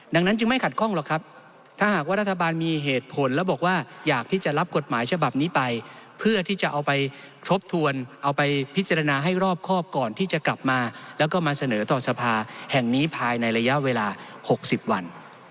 ดังนั้นจึงไม่ขัดข้องหรอกครับถ้าหากว่ารัฐบาลมีเหตุผลแล้วบอกว่าอยากที่จะรับกฎหมายฉบับนี้ไปเพื่อที่จะเอาไปทบทวนเอาไปพิจารณาให้รอบครอบก่อนที่จะกลับมาแล้วก็มาเสนอต่อสภาแห่งนี้ภายในระยะเวลา๖๐วัน